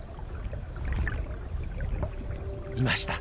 いました。